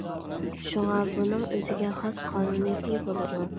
شۇڭا بۇنىڭ ئۆزىگە خاس قانۇنىيىتى بولىدۇ.